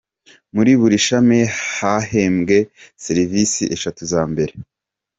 Muri buri shami hahembwe serivisi eshatu za mbere.